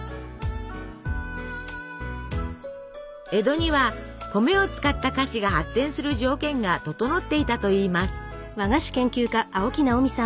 江戸には米を使った菓子が発展する条件が整っていたといいます。